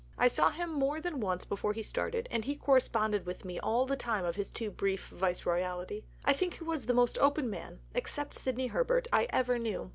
I saw him more than once before he started, and he corresponded with me all the time of his too brief Viceroyalty. I think he was the most open man, except Sidney Herbert, I ever knew.